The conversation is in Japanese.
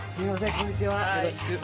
こんにちは。